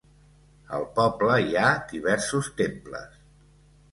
Al poble hi ha diversos temples.